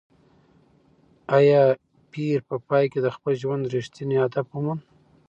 ایا پییر په پای کې د خپل ژوند رښتینی هدف وموند؟